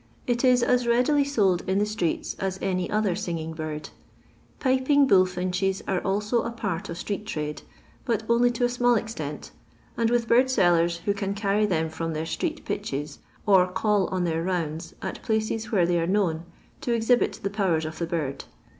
It is as readily sold in the streeta as any other singing bird. Piping bull finehes are also a part of street'trade, but only to a small extent, and with bird sellers who can cany them from their street pitches, or call on tb«r rounds, at places where they are known, to exhibit the powers of the bird.